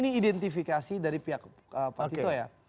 jadi identifikasi dari pihak pak tito ya